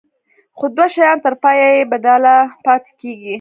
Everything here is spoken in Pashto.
خو دوه شیان تر پایه بې بدله پاتې کیږي.